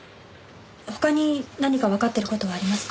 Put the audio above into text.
他に何かわかっている事はありますか？